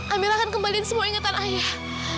amirah akan kembaliin semua ingetan ayah